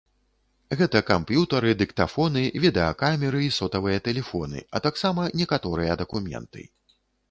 Гэта камп'ютары, дыктафоны, відэакамеры і сотавыя тэлефоны, а таксама некаторыя дакументы.